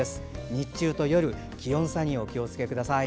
日中と夜の気温差にお気をつけください。